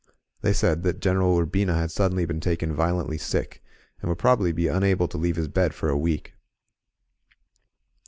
They said that General Urbina had suddenly been taken violently sick, and would probably be un able to leave his bed for a week.